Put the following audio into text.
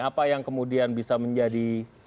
apa yang kemudian bisa menjadi